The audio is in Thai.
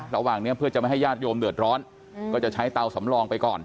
ระหว่างนี้เพื่อจะไม่ให้ญาติโยมเดือดร้อนก็จะใช้เตาสำรองไปก่อน